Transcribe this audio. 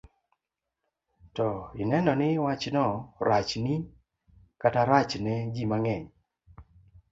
to ineno ni wachno rachni kata rachne ji mang'eny.